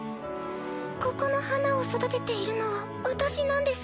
ここの花を育てているのは私なんです。